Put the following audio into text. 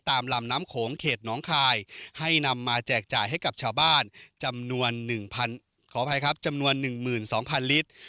ตามลำน้ำโขงเขตน้องคายให้นำมาแจกจ่ายให้กับชาวบ้านจำนวน๑๒๐๐๐ลิตร